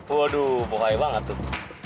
waduh bohong aja banget tuh